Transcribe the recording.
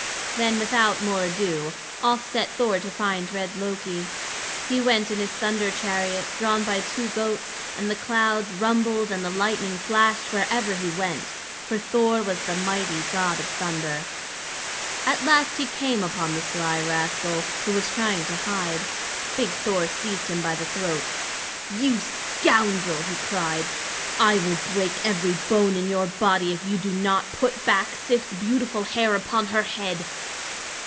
Then, without more ado, off set Thor to find red Loki. He went in his thunder chariot, drawn by two goats, and the clouds rumbled and the lightning flashed wherever he went; for Thor was the mighty god of thunder. At last he came upon the sly rascal, who was trying to hide. Big Thor seized him by the throat. "You scoundrel!" he cried, "I will break every bone in your body if you do not put back Sif's beautiful hair upon her head."